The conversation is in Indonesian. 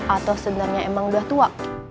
atau sebenarnya emang udah tua